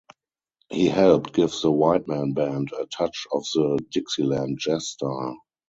He helped give the Whiteman band a touch of the Dixieland jazz style.